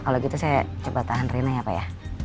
kalau gitu saya coba tahan rina ya pak ya